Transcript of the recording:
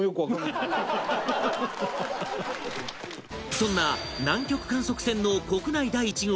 そんな南極観測船の国内第１号